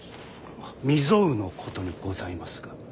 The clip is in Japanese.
未曽有のことにございますが。